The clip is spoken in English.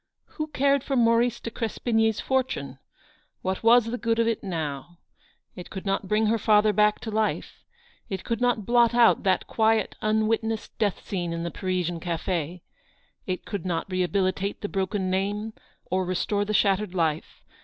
Who cared for Maurice de Crespigny's fortune ? What was the good of it now ? It could not bring her father back to life ; it could not blot out that quiet, unwitnessed death scene in the Parisian cafe; it could not rehabilitate the broken name, or restore the shattered life.